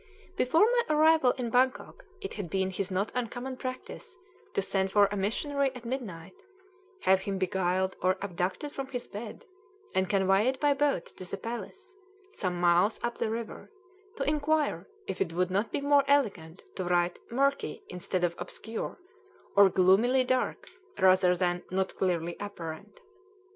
Before my arrival in Bangkok it had been his not uncommon practice to send for a missionary at midnight, have him beguiled or abducted from his bed, and conveyed by boat to the palace, some miles up the river, to inquire if it would not be more elegant to write murky instead of obscure, or gloomily dark rather than not clearly apparent.